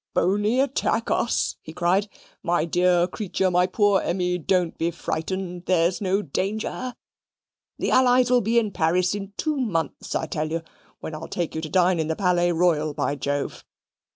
"Boney attack us!" he cried. "My dear creature, my poor Emmy, don't be frightened. There's no danger. The allies will be in Paris in two months, I tell you; when I'll take you to dine in the Palais Royal, by Jove!